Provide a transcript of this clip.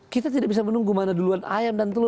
kita tidak bisa menunggu mana duluan ayam dan telur